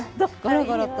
ゴロゴロと。